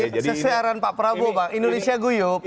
ini sesearan pak prabowo indonesia guyuk